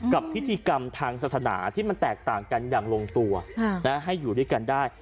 กับพิธีกรรมทางศาสนาที่มันแตกต่างกันอย่างลงตัวให้อยู่ด้วยกันได้